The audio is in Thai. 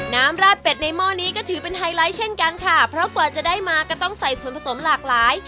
ราดเป็ดในหม้อนี้ก็ถือเป็นไฮไลท์เช่นกันค่ะเพราะกว่าจะได้มาก็ต้องใส่ส่วนผสมหลากหลาย